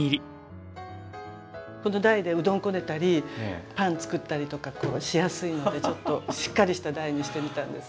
この台でうどんこねたりパン作ったりとかしやすいのでちょっとしっかりした台にしてみたんです。